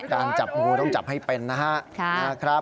การจับงูต้องจับให้เป็นนะครับ